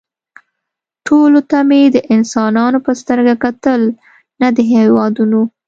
ټولو ته مې د انسانانو په سترګه کتل نه د هېوادونو